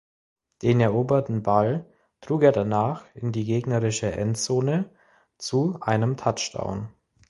Den eroberten Ball trug er danach in die gegnerische Endzone zu einem Touchdown.